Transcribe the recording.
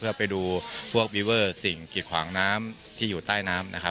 เพื่อไปดูพวกวีเวอร์สิ่งกิดขวางน้ำที่อยู่ใต้น้ำนะครับ